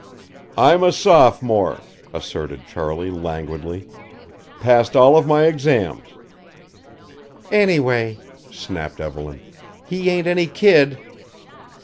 "I'm a sophomore," asserted Charley languidly. "Passed all of my exams." "Anyway," snapped Evelyn, "he ain't any kid!"